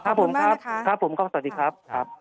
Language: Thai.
ขอบคุณมากนะครับสวัสดีครับสวัสดีครับ